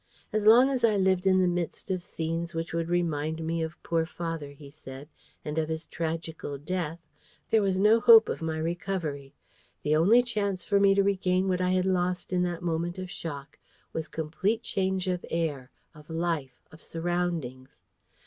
As long as I lived in the midst of scenes which would remind me of poor father, he said, and of his tragical death, there was no hope of my recovery. The only chance for me to regain what I had lost in that moment of shock was complete change of air, of life, of surroundings.